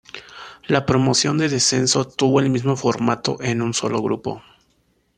La promoción de descenso tuvo el mismo formato en un solo grupo.